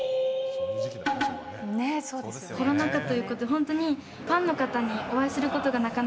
コロナ禍ということで本当にファンの方にお会いすることがなかな